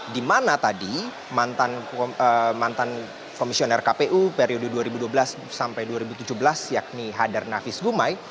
di mana tadi mantan komisioner kpu periode dua ribu dua belas sampai dua ribu tujuh belas yakni hadar nafis gumai